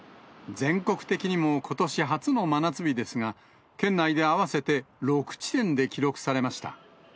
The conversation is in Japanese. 全国的にもことし初の真夏日ですが、県内で合わせて６地点で記録されました。